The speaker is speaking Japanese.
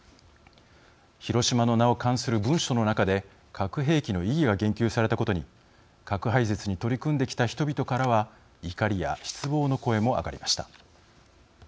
広島の名を冠する文書の中で核兵器の意義が言及されたことに核廃絶に取り組んできた人々からは怒りや失望の声も上がりました。